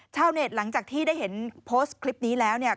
เน็ตหลังจากที่ได้เห็นโพสต์คลิปนี้แล้วเนี่ย